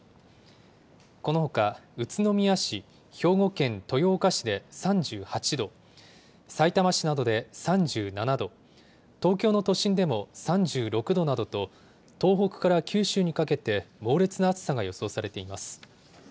このほか宇都宮市、兵庫県豊岡市で３８度、さいたま市などで３７度、東京の都心でも３６度などと、東北から九州にかけて、猛烈な暑さが予想されています。